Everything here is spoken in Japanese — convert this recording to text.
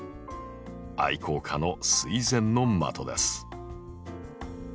愛好家の垂涎の的です。